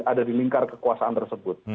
ada di lingkar kekuasaan tersebut